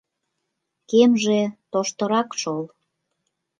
Кемже тоштырак шол.